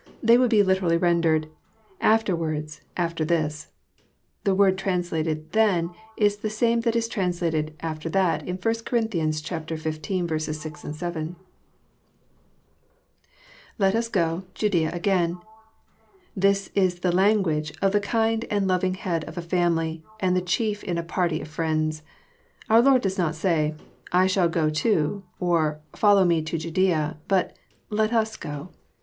They would be literally rendered, " Afterwards, after this.'* The word translated " then " is the same that is translated " after that " in 1 Cor. xv. 6 — 7. ILet its go...JudcBa again.'] This is the language of the kind and loving head of a family, and the chief in a party of friends. Our Lord does not say. I shall go to," or, " Follow Me to Ju daea, but, *' Let us go.